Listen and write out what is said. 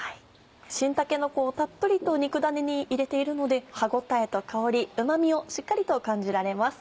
新たけのこをたっぷりと肉だねに入れているので歯応えと香りうま味をしっかりと感じられます。